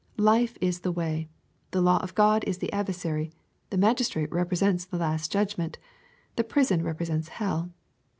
Life is the way. The law of God is the adversary. The magistrate represents the last judgment The prison represents hell.